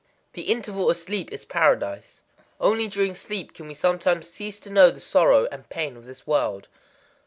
_ The interval of sleep is Paradise. Only during sleep can we sometimes cease to know the sorrow and pain of this world.